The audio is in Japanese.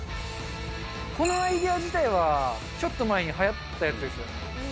このアイデア自体は、ちょっと前にはやったやつですよね。